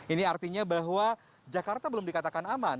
ini artinya bahwa jakarta belum dikatakan aman